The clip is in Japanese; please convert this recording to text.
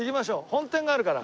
本店があるから。